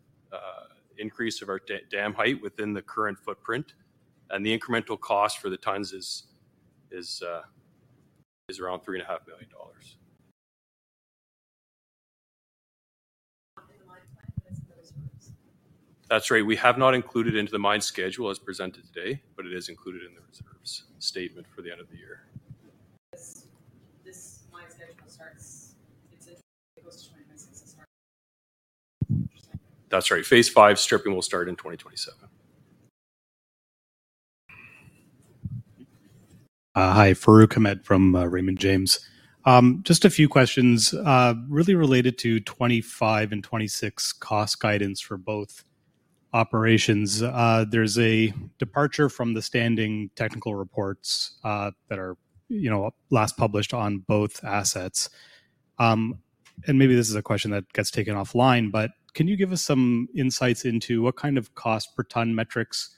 increase of our dam height within the current footprint, and the incremental cost for the tons is around $3.5 million. That's right. We have not included into the mine schedule as presented today, but it is included in the reserves statement for the end of the year. This mine schedule starts, it's close to 26 as far as—? That's right. phase V stripping will start in 2027. Hi, Farooq Hamed from Raymond James. Just a few questions, really related to 2025 and 2026 cost guidance for both operations. There's a departure from the standing technical reports that are, you know, last published on both assets. Maybe this is a question that gets taken offline, but can you give us some insights into what kind of cost per ton metrics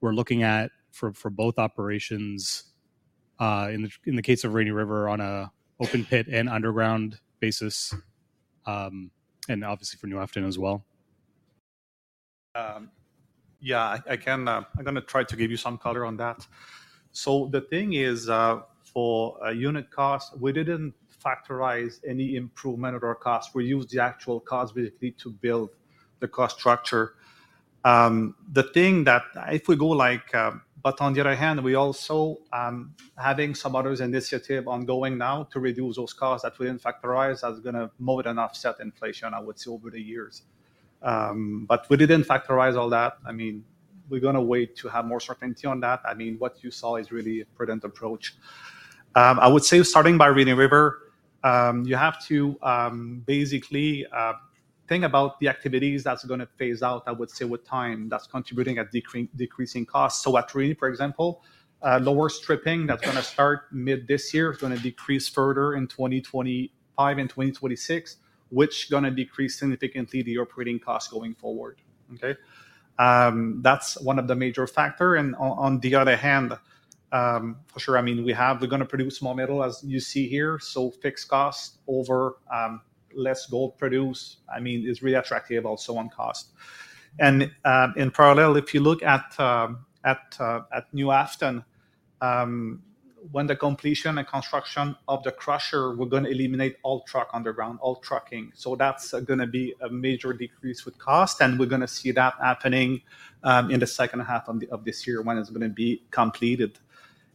we're looking at for both operations, in the case of Rainy River, on an open pit and underground basis, and obviously for New Afton as well? Yeah, I can, I'm gonna try to give you some color on that. So the thing is, for a unit cost, we didn't factor in any improvement of our cost. We used the actual cost basically to build the cost structure. The thing that if we go like... But on the other hand, we also having some other initiatives ongoing now to reduce those costs that we didn't factor in, that's gonna more than offset inflation, I would say, over the years. But we didn't factor in all that. I mean, we're gonna wait to have more certainty on that. I mean, what you saw is really a prudent approach. I would say starting by Rainy River, you have to basically think about the activities that's gonna phase out, I would say, with time, that's contributing a decreasing cost. So at Rainy, for example, lower stripping, that's gonna start mid this year. It's gonna decrease further in 2025 and 2026, which gonna decrease significantly the operating cost going forward, okay? That's one of the major factor. And on the other hand, for sure, I mean, we have- we're gonna produce more metal, as you see here. So fixed cost over less gold produced, I mean, is really attractive also on cost. And in parallel, if you look at New Afton, when the completion and construction of the crusher, we're gonna eliminate all truck underground, all trucking. So that's gonna be a major decrease with cost, and we're gonna see that happening in the second half of this year when it's gonna be completed.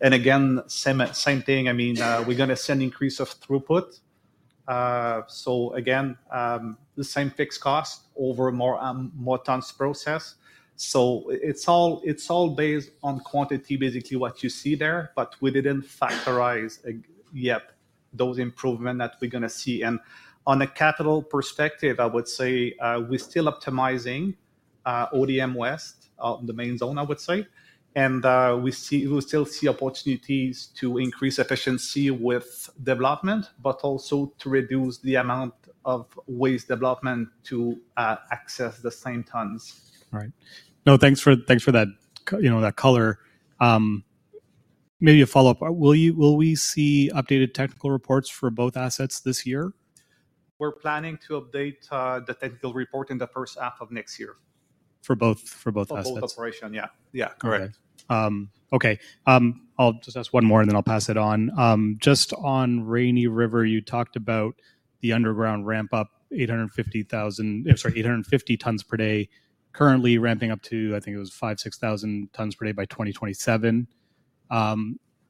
And again, same, same thing, I mean, we're gonna see an increase of throughput. So again, the same fixed cost over more, more tons processed. So it's all, it's all based on quantity, basically, what you see there, but we didn't factorize yet those improvement that we're gonna see. And on a capital perspective, I would say, we're still optimizing ODM West, the main zone, I would say. And we see, we still see opportunities to increase efficiency with development, but also to reduce the amount of waste development to access the same tons. Right. No, thanks for that, you know, that color. Maybe a follow-up. Will we see updated technical reports for both assets this year? We're planning to update the technical report in the first half of next year. For both, for both assets? For both operation, yeah. Yeah, correct. Okay. Okay, I'll just ask one more, and then I'll pass it on. Just on Rainy River, you talked about the underground ramp up, 850 tons per day, currently ramping up to, I think it was 5,000-6,000 tons per day by 2027.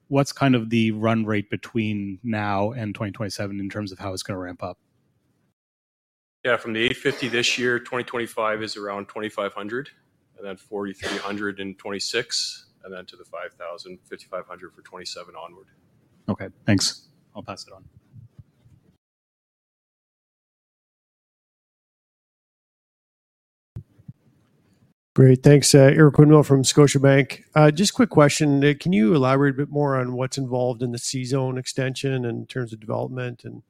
What's kind of the run rate between now and 2027 in terms of how it's gonna ramp up? Yeah, from the 850 this year, 2025 is around 2,500, and then 4,300 in 2026, and then to the 5,000, 5,500 for 2027 onward. Okay, thanks. I'll pass it on. Great, thanks. Eric Winmill from Scotiabank. Just quick question. Can you elaborate a bit more on what's involved in the C-Zone extension in terms of development and,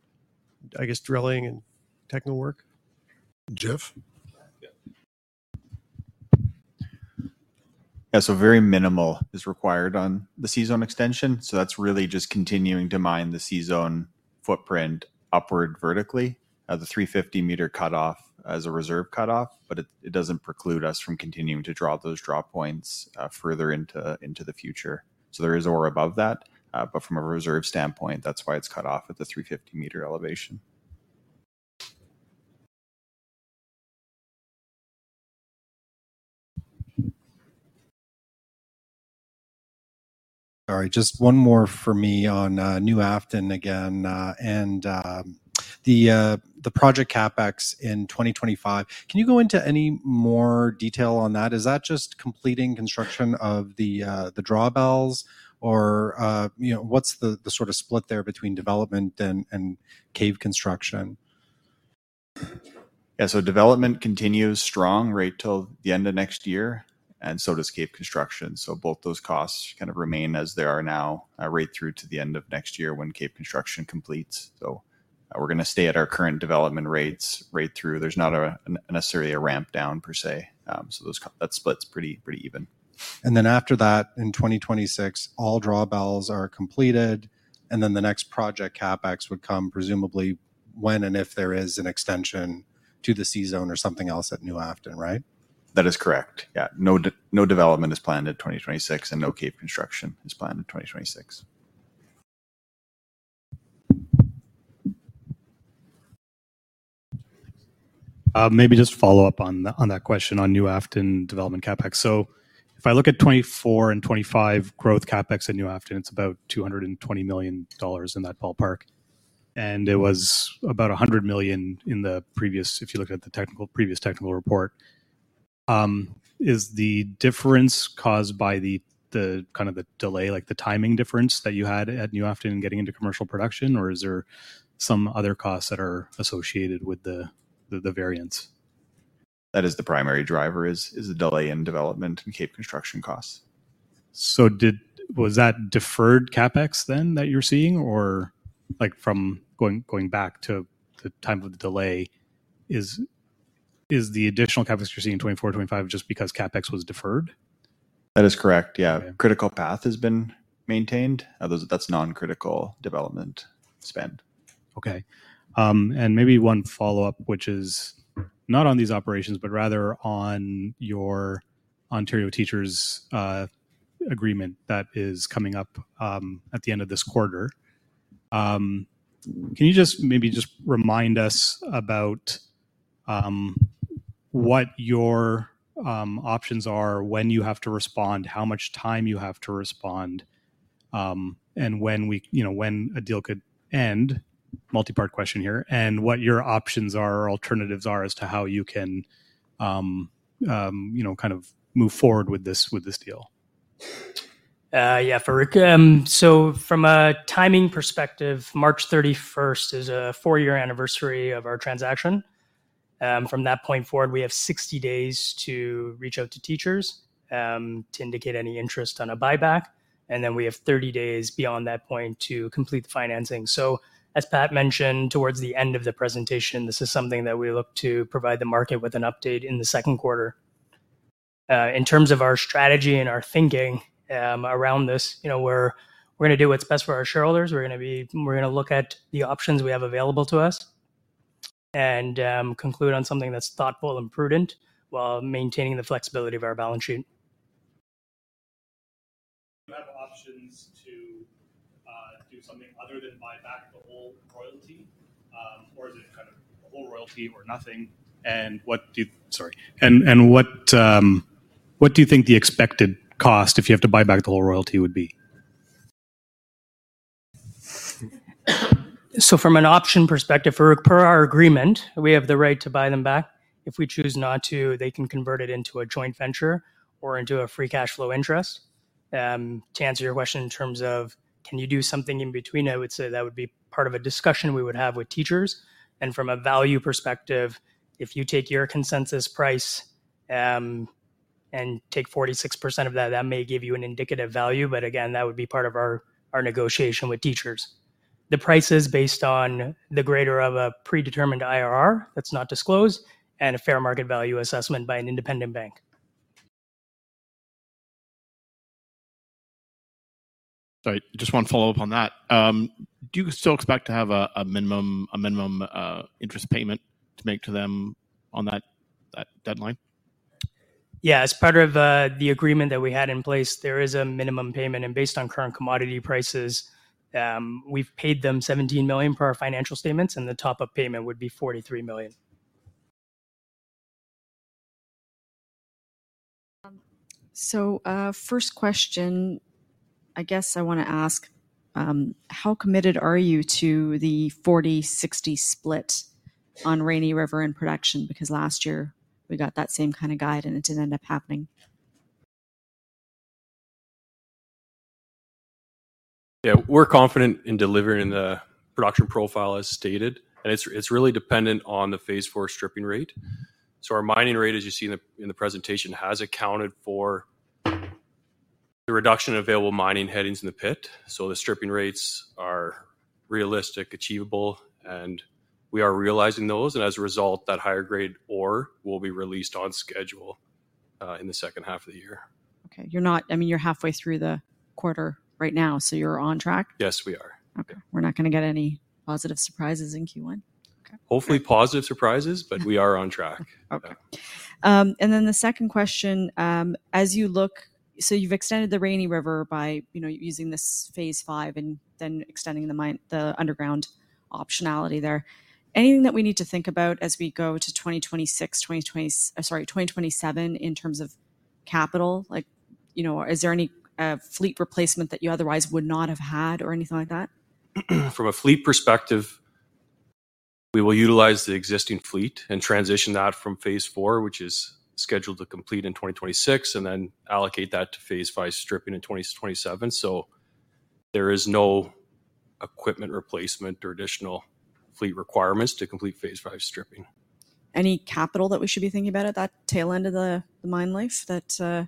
I guess, drilling and technical work? Jeff? Yeah. Yeah, so very minimal is required on the C-Zone extension, so that's really just continuing to mine the C-Zone footprint upward vertically, at the 350-meter cut-off as a reserve cut-off, but it, it doesn't preclude us from continuing to draw those draw points, further into, into the future. So there is ore above that, but from a reserve standpoint, that's why it's cut off at the 350-meter elevation. All right, just one more for me on New Afton again, and the project CapEx in 2025. Can you go into any more detail on that? Is that just completing construction of the drawbells or, you know, what's the sort of split there between development and cave construction? Yeah, so development continues strong right till the end of next year, and so does cave construction. So both those costs kind of remain as they are now, right through to the end of next year when cave construction completes. So, we're gonna stay at our current development rates right through. There's not a, necessarily a ramp down per se, so those that split's pretty, pretty even. Then after that, in 2026, all drawbells are completed, and then the next project, CapEx, would come presumably when and if there is an extension to the C-Zone or something else at New Afton, right? That is correct, yeah. No development is planned in 2026, and no cave construction is planned in 2026. Maybe just follow up on that, on that question on New Afton development CapEx. So if I look at 2024 and 2025 growth CapEx at New Afton, it's about $220 million in that ballpark, and it was about $100 million in the previous technical report. Is the difference caused by the, the kind of the delay, like the timing difference that you had at New Afton in getting into commercial production, or is there some other costs that are associated with the, the, the variance? That is the primary driver, the delay in development and cave construction costs. So was that deferred CapEx then that you're seeing? Or like, from going back to the time of the delay, is the additional CapEx you're seeing in 2024, 2025 just because CapEx was deferred? That is correct, yeah. Okay. Critical path has been maintained. That's non-critical development spend. Okay. And maybe one follow-up, which is not on these operations, but rather on your Ontario Teachers agreement that is coming up at the end of this quarter. Can you just maybe just remind us about what your options are when you have to respond, how much time you have to respond, and when we—you know, when a deal could end? Multi-part question here. And what your options are or alternatives are as to how you can, you know, kind of move forward with this, with this deal. Yeah, Farooq. So from a timing perspective, March 31st is a 4-year anniversary of our transaction. From that point forward, we have 60 days to reach out to teachers to indicate any interest on a buyback, and then we have 30 days beyond that point to complete the financing. So, as Pat mentioned towards the end of the presentation, this is something that we look to provide the market with an update in the second quarter. In terms of our strategy and our thinking around this, you know, we're gonna do what's best for our shareholders. We're gonna look at the options we have available to us and conclude on something that's thoughtful and prudent while maintaining the flexibility of our balance sheet. Do you have options to do something other than buy back the whole royalty? Or is it kind of the whole royalty or nothing? And what do you think the expected cost, if you have to buy back the whole royalty, would be? So from an option perspective, per our agreement, we have the right to buy them back. If we choose not to, they can convert it into a joint venture or into a free cash flow interest. To answer your question in terms of can you do something in between, I would say that would be part of a discussion we would have with teachers. And from a value perspective, if you take your consensus price, and take 46% of that, that may give you an indicative value, but again, that would be part of our negotiation with teachers. The price is based on the greater of a predetermined IRR, that's not disclosed, and a fair market value assessment by an independent bank. Sorry, just one follow-up on that. Do you still expect to have a minimum interest payment to make to them on that deadline? Yeah, as part of the agreement that we had in place, there is a minimum payment, and based on current commodity prices, we've paid them $17 million per our financial statements, and the top-up payment would be $43 million. First question, I guess I wanna ask, how committed are you to the 40/60 split on Rainy River in production? Because last year we got that same kind of guide, and it didn't end up happening. Yeah, we're confident in delivering the production profile as stated, and it's, it's really dependent on the phase IV stripping rate. So our mining rate, as you see in the presentation, has accounted for the reduction in available mining headings in the pit. So the stripping rates are realistic, achievable, and we are realizing those, and as a result, that higher grade ore will be released on schedule in the second half of the year. Okay. I mean, you're halfway through the quarter right now, so you're on track? Yes, we are. Okay. We're not gonna get any positive surprises in Q1? Okay. Hopefully, positive surprises, but we are on track. Okay. And then the second question, as you look... So you've extended the Rainy River by, you know, using this phase V and then extending the mine, the underground optionality there. Anything that we need to think about as we go to 2026, 2027, in terms of capital? Like, you know, is there any fleet replacement that you otherwise would not have had or anything like that? From a fleet perspective, we will utilize the existing fleet and transition that from phase IV, which is scheduled to complete in 2026, and then allocate that to phase V stripping in 2027. So there is no equipment replacement or additional fleet requirements to complete phase V stripping. Any capital that we should be thinking about at that tail end of the mine life that?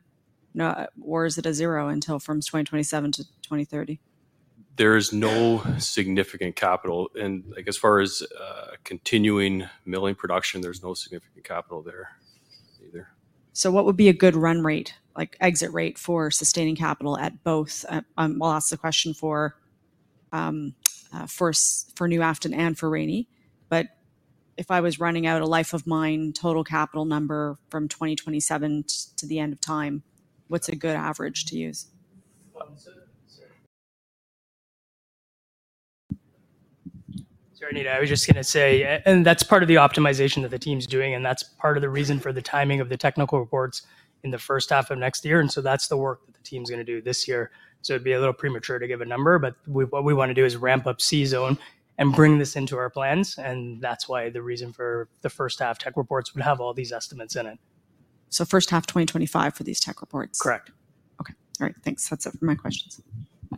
No, or is it a zero until from 2027 to 2030? There is no significant capital, and, like, as far as continuing milling production, there's no significant capital there either. So what would be a good run rate, like exit rate, for sustaining capital at both. We'll ask the question for first, for New Afton and for Rainy. But if I was running out a life of mine, total capital number from 2027 to the end of time, what's a good average to use? Sorry, Anita, I was just gonna say, and that's part of the optimization that the team's doing, and that's part of the reason for the timing of the technical reports in the first half of next year, and so that's the work that the team's gonna do this year. So it'd be a little premature to give a number, but what we wanna do is ramp up C Zone and bring this into our plans, and that's why the reason for the first half tech reports would have all these estimates in it. So first half 2025 for these tech reports? Correct. Okay. All right, thanks. That's it for my questions. Bye.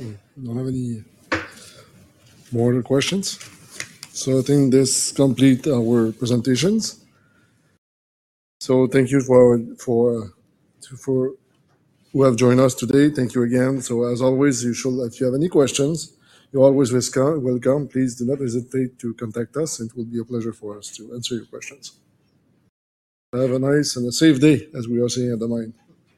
I don't have any more questions, so I think this complete our presentations. So thank you for who have joined us today. Thank you again. So as always, you should. If you have any questions, you're always welcome. Please do not hesitate to contact us. It will be a pleasure for us to answer your questions. Have a nice and a safe day, as we are saying at the mine.